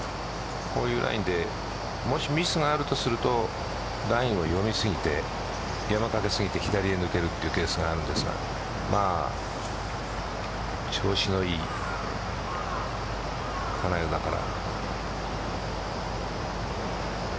こういうラインでもしミスがあるとするとラインを読み過ぎて左へ抜けるというケースがあるんですが調子のいい金谷だから。